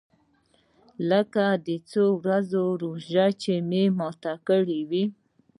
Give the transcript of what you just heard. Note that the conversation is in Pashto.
لکه د څو ورځو روژه چې مې ماته کړې وي.